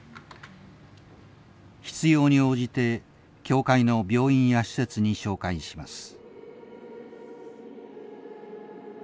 必要に応じて教会の病院や施設に紹介します。